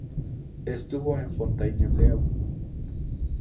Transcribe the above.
Estuvo en Fontainebleau.